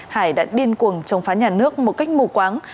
hải đã điên cuồng chống phá nhà nước một cách mù quáng